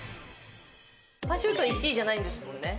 パシュート１位じゃないんですもんね？